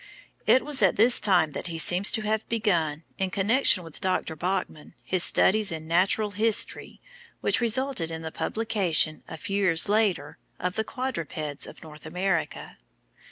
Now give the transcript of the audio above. It was at this time that he seems to have begun, in connection with Dr. Bachman, his studies in Natural History which resulted in the publication, a few years later, of the "Quadrupeds of North America."